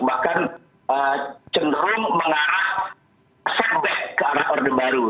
bahkan cenderung mengarah setback ke arah orde baru